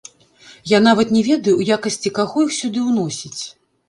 Я нават не ведаю, у якасці каго іх сюды ўносіць?